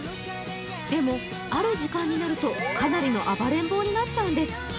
でも、ある時間になるとかなりの暴れん坊になっちゃうんです。